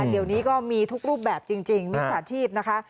เดี๋ยวนี้ก็มีทุกรูปแบบจริงมิจฉาชีพนะคะ